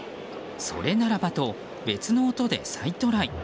それならばと別の音で再トライ。